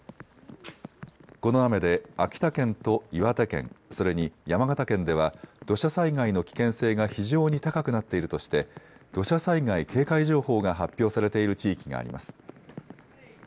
この雨で秋田県と岩手県、それに山形県では土砂災害の危険性が非常に高くなっているとして土砂災害警戒情報が発表されている地域があります。